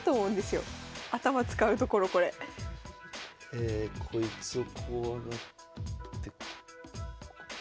えこいつをこう上がって。